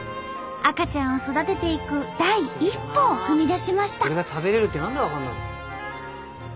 赤ちゃんを育てていく第一歩を踏み出しました。